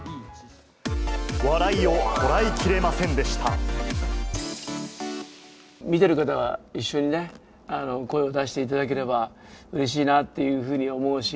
笑いをこらえきれませんでし見てる方は、一緒にね、声を出していただければうれしいなっていうふうに思うし。